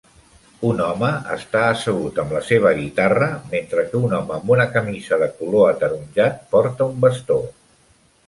Un home està assegut amb la seva guitarra mentre que un home amb una camisa de color ataronjat porta un bastó.